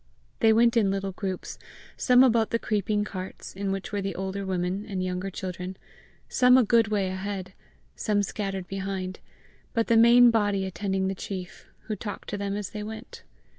They went in little groups, some about the creeping carts, in which were the older women and younger children, some a good way ahead, some scattered behind, but the main body attending the chief, who talked to them as they went.